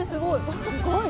すごい！